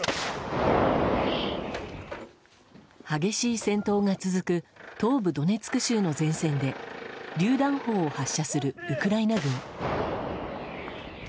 激しい戦闘が続く東部ドネツク州の前線でりゅう弾砲を発射するウクライナ軍。